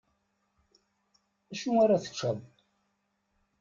Acu ara teččeḍ?